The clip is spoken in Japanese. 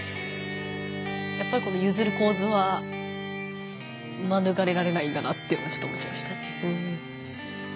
やっぱりこのゆずる構図はまぬがれられないんだなってちょっと思っちゃいましたね。